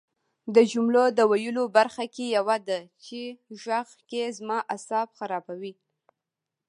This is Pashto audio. د جملو د ویلو برخه کې یوه ده چې غږ کې زما اعصاب خرابوي